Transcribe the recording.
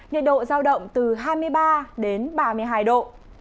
nhiệt độ giao động từ hai mươi ba đến ba mươi hai độ